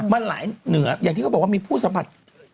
มันหลายเหนืออย่างที่เขาบอกว่ามีผู้สัมผัส